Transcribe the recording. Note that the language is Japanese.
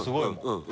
うん